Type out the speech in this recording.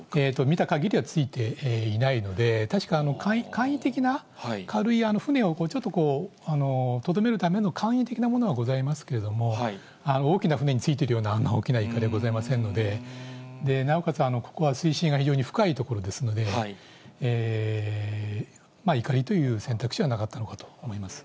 見たかぎりはついていないので、確か、簡易的な軽い、船をちょっととどめるための簡易的なものはございますけれども、大きな船についているような、あんな大きないかりはございませんので、なおかつ、ここは水深が非常に深い所ですので、いかりという選択肢はなかったのかと思います。